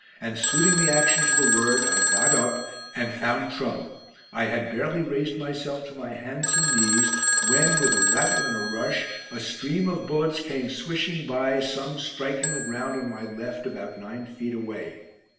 And suiting the action to the word, I got up and found trouble! I had barely raised myself to my hands and knees when, with a rattle and a rush, a stream of bullets came swishing by, some striking the ground on my left, about nine feet away.